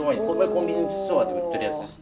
コンビニエンスストアで売ってるやつです。